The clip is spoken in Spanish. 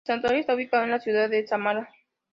El santuario está ubicado en la ciudad de Samarra.